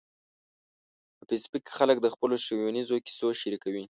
په فېسبوک کې خلک د خپلو ښوونیزو کیسو شریکوي